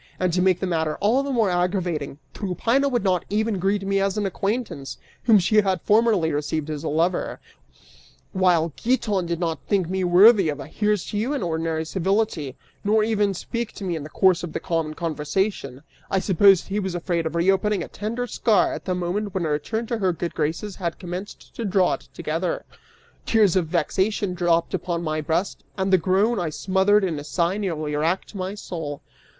And to make the matter all the more aggravating, Tryphaena would not even greet me as an acquaintance, whom she had formerly received as a lover, while Giton did not think me worthy of a "Here's to you" in ordinary civility, nor even speak to me in the course of the common conversation; I suppose he was afraid of reopening a tender scar at the moment when a return to her good graces had commenced to draw it together. Tears of vexation dropped upon my breast and the groan I smothered in a sigh nearly wracked my soul.